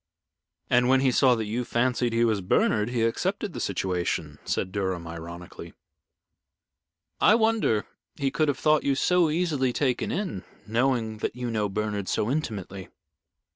"And when he saw that you fancied he was Bernard, he accepted the situation," said Durham, ironically. "I wonder he could have thought you so easily taken in, knowing that you knew Bernard so intimately."